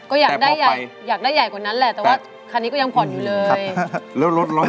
ก็อยากได้ใหญ่กว่านั้นแหละแต่ว่าคันนี้ก็ยังผ่อนอยู่เลย